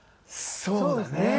そうだね。